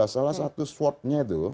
salah satu swotnya itu